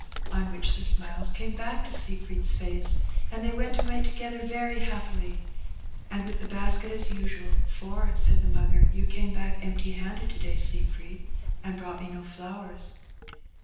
On which the smiles came back to Siegfried's face, and they went away together very happily, and with the basket as usual; for, said the mother, "You came back empty handed to day, Siegfried, and brought me no flowers."